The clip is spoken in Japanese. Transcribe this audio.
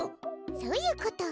そういうこと。